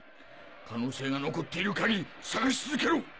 可能性が残っているかぎり捜し続けろ！